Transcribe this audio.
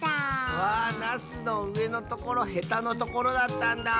わぁナスのうえのところヘタのところだったんだ。